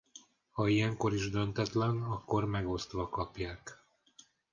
Ha ilyenkor is döntetlen akkor megosztva kapják.